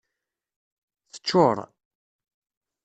Teccuṛ.